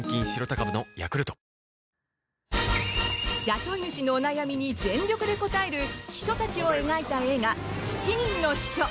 雇い主のお悩みに全力で応える秘書たちを描いた映画「七人の秘書」。